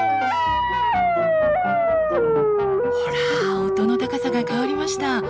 ほら音の高さが変わりました。